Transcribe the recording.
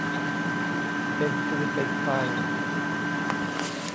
เป็นฟืนเป็นไฟ